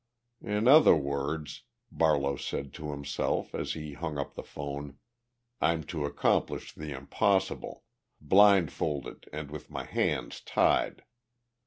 "In other words," Barlow said to himself, as he hung up the phone, "I'm to accomplish the impossible, blindfolded and with my hands tied.